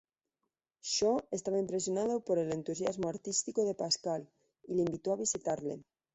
Shaw estaba impresionado por el entusiasmo artístico de Pascal y le invitó a visitarle.